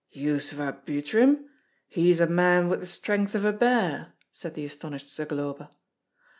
"Yuzva Butrym? He is a man with the strength of a bear!" said the astonished Zagloba.